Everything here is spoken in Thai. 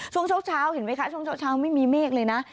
ช่วงเช้าเห็นไหมคะช่วงเช้าไม่มีเมฆเลยนะ